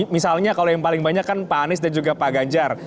misalnya kalau yang paling banyak kan pak anies dan juga pak ganjar